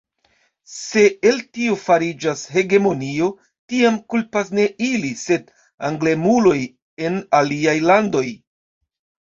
Se el tio fariĝas hegemonio, tiam kulpas ne ili, sed anglemuloj en aliaj landoj.